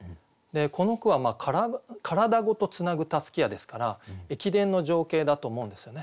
この句は「体ごと繋ぐ襷や」ですから駅伝の情景だと思うんですよね